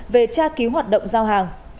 về tra cứu hoạt động giao hàng